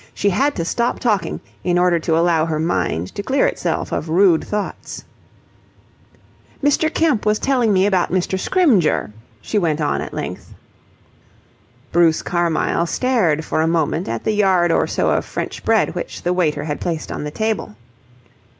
She had to stop talking in order to allow her mind to clear itself of rude thoughts. "Mr. Kemp was telling me about Mr. Scrymgeour," she went on at length. Bruce Carmyle stared for a moment at the yard or so of French bread which the waiter had placed on the table.